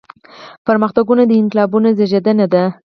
پرمختګونه د انقلابونو زيږنده دي.